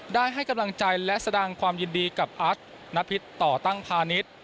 ได้ให้กำลังใจและแสดงความยินดีกับอักนพิษต่อตั้งพาณิชย์